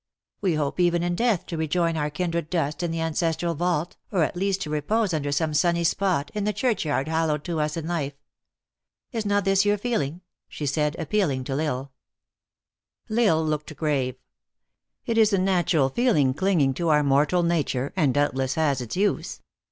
We hope even in death to rejoin our kindred dust in the ancestral vault, or at least to repose under some sunny spot, in the churchyard hal lowed to us in life. Is not this your feeling?" she said, appealing to L Isle. L Isle looked grave. " It is a natural feeling cling ing to our mortal nature, and doubtless has its use.